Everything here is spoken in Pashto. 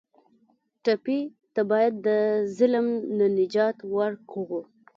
ټپي ته باید د ظلم نه نجات ورکړو.